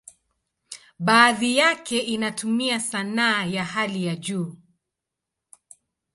Baadhi yake inatumia sanaa ya hali ya juu.